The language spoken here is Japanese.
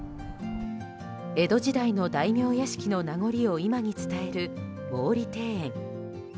江戸時代の大名屋敷の名残を今に伝える毛利庭園。